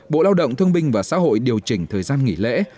bộ lao động thương binh và xã hội điều chỉnh thời gian nghỉ lễ